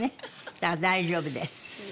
だから大丈夫です。